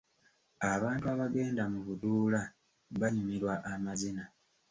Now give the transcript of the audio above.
Abantu abagenda mu buduula banyumirwa amazina.